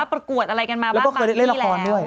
รู้สึกว่ามีรูดมาไปแล้วก็เคยเล่นละครด้วย